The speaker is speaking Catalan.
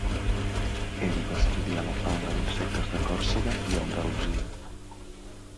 Ell va estudiar la fauna d'insectes de Còrsega i Andalusia.